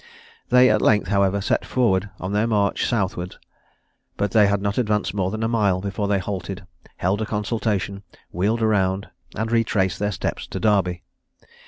They at length, however, set forward on their march southwards, but they had not advanced more than a mile before they halted, held a consultation, wheeled round, and retraced their steps to Derby.